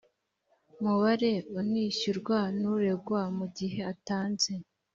mubare unishyurwa n uregwa mu gihe atanze